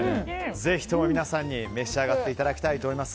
ぜひとも皆さんに召し上がっていただきたいと思います。